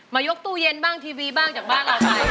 ยกตู้เย็นบ้างทีวีบ้างจากบ้านเราไป